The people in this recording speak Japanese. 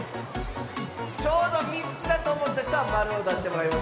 ちょうど３つだとおもったひとは○をだしてもらいます。